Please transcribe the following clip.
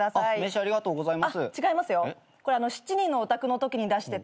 ありがとうございます。